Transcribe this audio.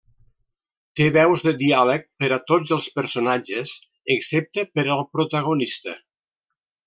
Té veus de diàleg per a tots els personatges excepte per al protagonista.